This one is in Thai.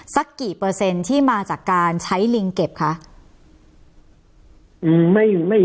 สักกี่เปอร์เซ็นต์ที่มาจากการใช้ลิงเก็บคะ